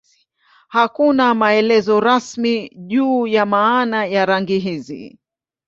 Hakuna maelezo rasmi juu ya maana ya rangi hizi.